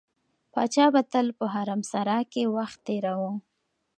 پاچا به تل په حرمسرا کې وخت تېراوه.